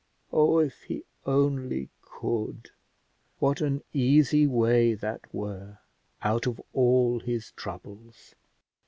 Oh if he only could: what an easy way that were out of all his troubles!